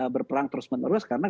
berperang terus menerus karena